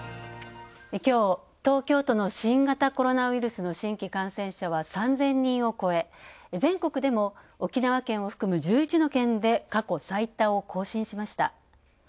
きょう、東京都の新型コロナウイルスの新規感染者は３０００人を超え全国でも沖縄県を含む１１の県で過去最多を更新しました。